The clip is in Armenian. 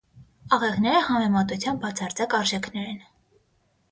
Աղեղները համեմատության բացարձակ արժեքներ են։